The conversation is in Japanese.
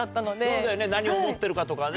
そうだよね何を思ってるかとかね。